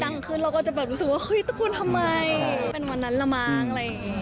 ดังขึ้นเราก็จะแบบรู้สึกว่าเฮ้ยตระกูลทำไมเป็นวันนั้นละมั้งอะไรอย่างนี้